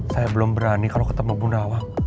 saya belum berani kalau ketemu bu nawang